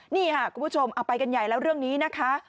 นี่ค่ะคุณผู้ชมเอาไปกันใหญ่แล้วเรื่องนี้นะคะ